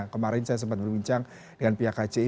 kemarin saya sempat berbincang dengan pihak kci